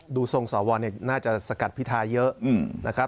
ดูทรงสวน่าจะสกัดพิทาเยอะนะครับ